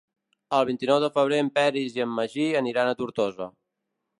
El vint-i-nou de febrer en Peris i en Magí aniran a Tortosa.